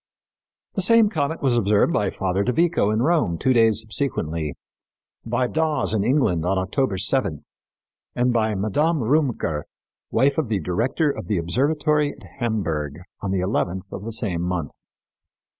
The same comet was observed by Father de Vico in Rome two days subsequently, by Dawes in England on October seventh, and by Madame Rümker, wife of the director of the observatory of Hamburg, on the eleventh of the same month.